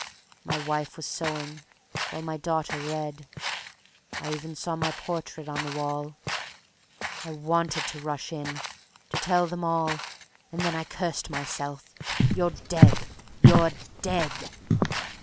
My wife was sewing, while my daughter read; I even saw my portrait on the wall. I wanted to rush in, to tell them all; And then I cursed myself: "You're dead, you're dead!"